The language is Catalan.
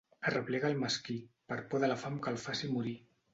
Arreplega el mesquí, per por de la fam que el faci morir.